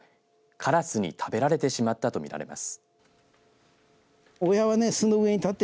からすに食べられてしまったと見られます。